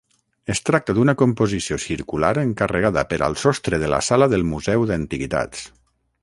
Es tracta d'una composició circular encarregada per al sostre de la sala del Museu d'Antiguitats.